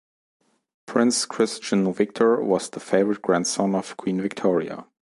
Prince Christian Victor was the favourite grandson of Queen Victoria.